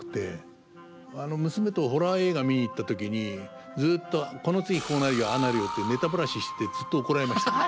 娘とホラー映画見に行った時にずっと「この次こうなるよああなるよ」ってネタバラししてずっと怒られましたね。